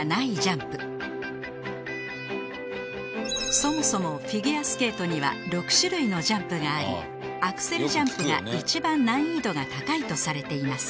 そもそもフィギュアスケートには６種類のジャンプがありアクセルジャンプが一番難易度が高いとされています